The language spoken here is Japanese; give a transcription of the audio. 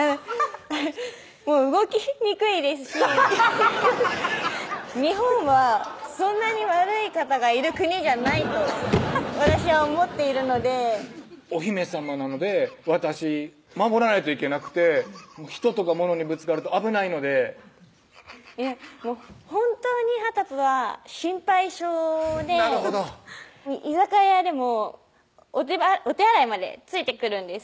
もう動きにくいですし日本はそんなに悪い方がいる国じゃないと私は思っているのでお姫さまなので私守らないといけなくて人とか物にぶつかると危ないのでもう本当にはたぷは心配性でなるほど居酒屋でもお手洗いまでついてくるんです